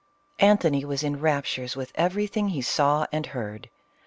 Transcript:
Antony was in raptures with everything he saw and heard.